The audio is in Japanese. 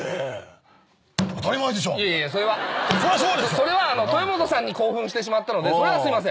それは豊本さんに興奮してしまったのでそれはすいません。